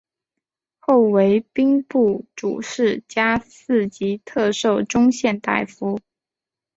后为兵部主事加四级特授中宪大夫。